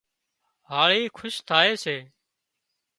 هاۯي کُش ٿائي سي